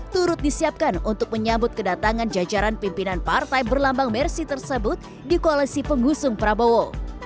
turut disiapkan untuk menyambut kedatangan jajaran pimpinan partai berlambang mersi tersebut di koalisi pengusung prabowo